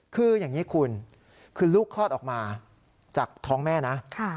คืออย่างนี้คุณคือลูกคลอดออกมาจากท้องแม่นะ